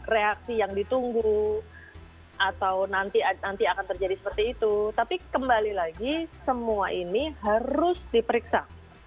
reaksi yang ditunggu atau nanti akan terjadi seperti itu tapi kembali lagi semua ini harus diperiksa